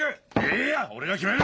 いいや俺が決める！